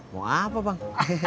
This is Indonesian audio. mau apa bang